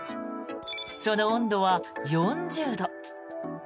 その温度は４０度。